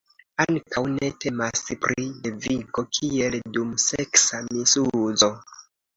Ankaŭ ne temas pri devigo, kiel dum seksa misuzo.